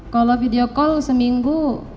kalau video call seminggu